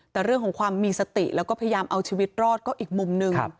แต่เรื่องของความมีสติแล้วก็พยายามเอาชีวิตรอดก็อีกมุมหนึ่ง